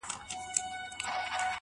څنگه بيلتون كي گراني شعر وليكم.